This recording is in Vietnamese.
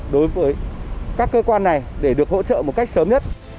đối với các cơ quan này để được hỗ trợ một cách sớm nhất